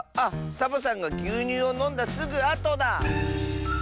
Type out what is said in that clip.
サボさんがぎゅうにゅうをのんだすぐあとだ。